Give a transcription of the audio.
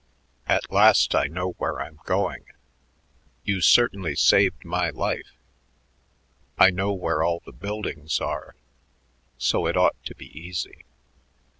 At last I know where I'm going. You certainly saved my life. I know where all the buildings are; so it ought to be easy."